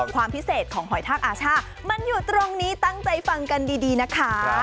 ความพิเศษของหอยทากอาช่ามันอยู่ตรงนี้ตั้งใจฟังกันดีนะคะ